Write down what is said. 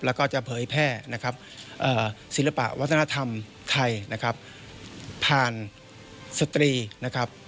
แล้วก็จะเผยแพร่นะครับศิลปะวัฒนธรรมไทยนะครับผ่านสตรีนะครับ